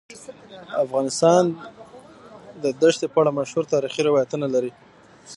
افغانستان د ښتې په اړه مشهور تاریخی روایتونه لري.